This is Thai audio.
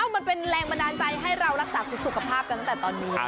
มันเป็นแรงบันดาลใจให้เรารักษาสุขภาพกันตั้งแต่ตอนนี้